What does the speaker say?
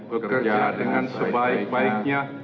bekerja dengan sebaik baiknya